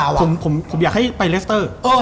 อัลเดปิโล